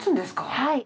はい。